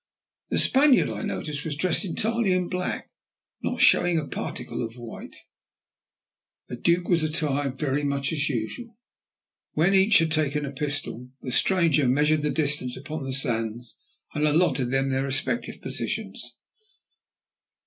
The Spaniard, I noticed, was dressed entirely in black, not showing a particle of white; the Duke was attired very much as usual. When each had taken a pistol, the stranger measured the distance upon the sands and allotted them their respective positions.